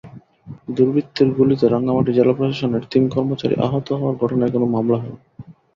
দুর্বৃত্তের গুলিতে রাঙামাটি জেলা প্রশাসনের তিন কর্মচারী আহত হওয়ার ঘটনায় কোনো মামলা হয়নি।